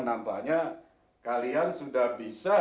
nampaknya kalian sudah bisa